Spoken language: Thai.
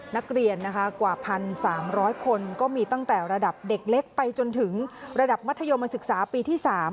นักเรียนกว่า๑๓๐๐คนก็มีตั้งแต่ระดับเด็กเล็กไปจนถึงระดับมัธยมศึกษาปีที่๓